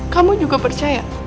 kamu juga percaya